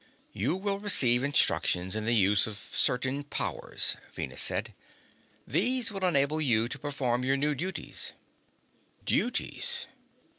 "You will receive instructions in the use of certain powers," Venus said. "These will enable you to perform your new duties." Duties.